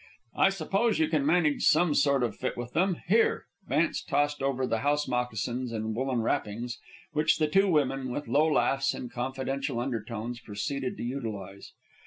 "I suppose you can manage some sort of a fit with them. Here!" Vance tossed over the house moccasins and woollen wrappings, which the two women, with low laughs and confidential undertones, proceeded to utilize.